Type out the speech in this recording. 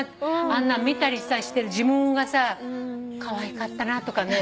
あんなん見たりして自分がかわいかったなとかね。